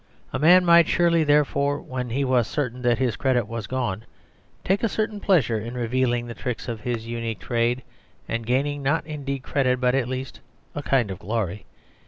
A man might surely, therefore, when he was certain that his credit was gone, take a certain pleasure in revealing the tricks of his unique trade, and gaining not indeed credit, but at least a kind of glory.